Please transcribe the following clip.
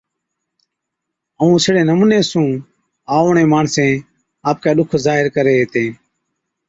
ائُون اِسڙي نمُوني سُون آئوڙين ماڻسين آپڪَي ڏُک ظاھِر ڪرين ھِتين